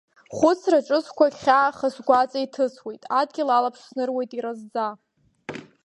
Хәыцра ҿыцқәак хьааха сгәаҵа иҭысуеит, адгьыл алаԥш сныруеит иразӡа.